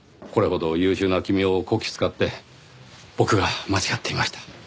これほど優秀な君をこき使って僕が間違っていました。